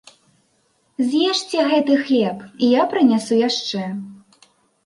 З'ешце гэты хлеб, і я прынясу яшчэ.